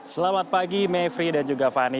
selamat pagi mevri dan juga fani